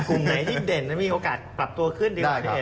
กลุ่มไหนที่เด่นแล้วมีโอกาสปรับตัวขึ้นดีกว่าพี่เอก